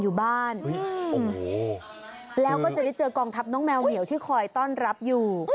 อยู่บ้านโอ้โหแล้วก็จะได้เจอกองทัพน้องแมวเหมียวที่คอยต้อนรับอยู่